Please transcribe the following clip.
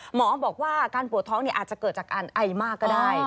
หมอบอกว่าการปวดท้องอาจจะเกิดจากการไอมากก็ได้